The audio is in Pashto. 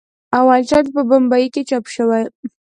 اول چاپ یې په بمبئي کې چاپ شوی.